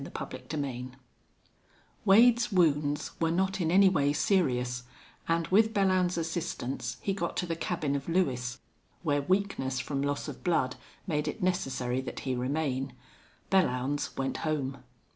CHAPTER XVIII Wade's wounds were not in any way serious, and with Belllounds's assistance he got to the cabin of Lewis, where weakness from loss of blood made it necessary that he remain. Belllounds went home.